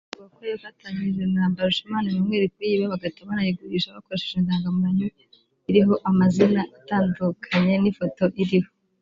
bivugwa ko yafatanyije na Mbarushimana Emmanuel kuyiba bagahita banayigurisha bakoresheje indangamuntu iriho amazina atandukanye n’ifoto iriho